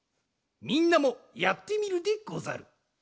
みんなもやってみるでござる。